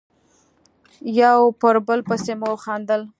یو پر بل پسې مو خندل.